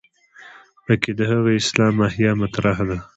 په کې د هغه اسلام احیا مطرح ده.